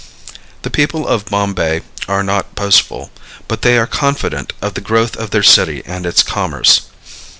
The people of Bombay are not boastful, but they are confident of the growth of their city and its commerce.